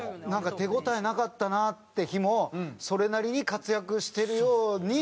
手応えなかったなって日もそれなりに活躍してるようにねっ？